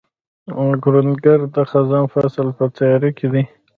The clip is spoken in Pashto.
کروندګر د خزان فصل په تیاري کې دی